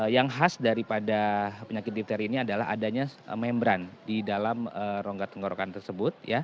yang khas daripada penyakit difteri ini adalah adanya membran di dalam rongga tenggorokan tersebut